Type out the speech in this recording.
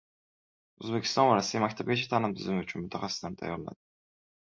O‘zbekiston va Rossiya maktabgacha ta’lim tizimi uchun mutaxassislarni tayyorlaydi